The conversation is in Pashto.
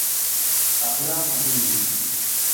اخلاق مهم دي.